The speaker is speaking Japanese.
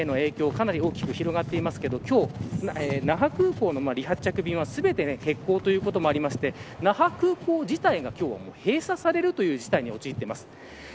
昨日から飛行機への影響かなり大きく広がっていますが今日、那覇空港の離発着便は全て欠航ということもあって那覇空港自体が今日は閉鎖されるという事態に陥っています。